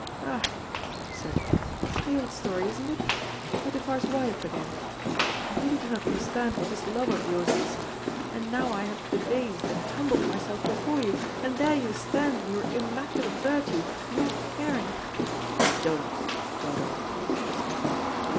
"Ah," she said, "the old story, isn't it? Potiphar's wife again. I really do not understand what this love of yours is. And now I have debased and humbled myself before you, and there you stand in your immaculate virtue, not caring " "Don't, Dodo," He said.